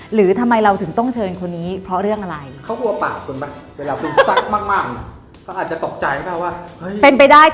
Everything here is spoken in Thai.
หรือทำไมเราถึงต้องเชิญคนนี้เพราะเรื่องอะไร